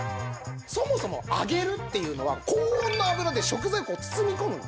そもそも揚げるっていうのは高温の油で食材を包みこむんです。